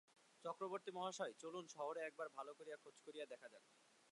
চক্রবর্তীমহাশয়, চলুন, শহরে একবার ভালো করিয়া খোঁজ করিয়া দেখা যাক।